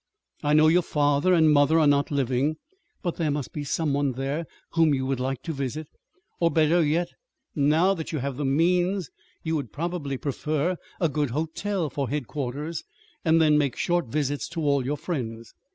I know your father and mother are not living; but there must be some one there whom you would like to visit. Or, better yet, now that you have the means, you would probably prefer a good hotel for headquarters, and then make short visits to all your friends.